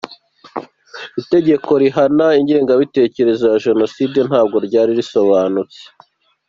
Itegeko rihana ingengabitekerezo ya Jenoside ntabwo ryari risobanutse